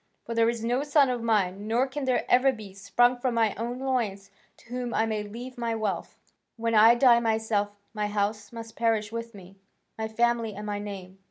For there is no son of mine, nor can there ever be, sprung from my own loins, to whom I may leave my wealth: when I die myself, my house must perish with me, my family and my name.